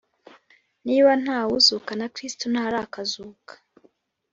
Niba nta wuzuka na Kristo ntarakazuka